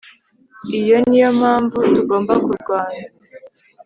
iyo niyo mpamvu tugomba kurwana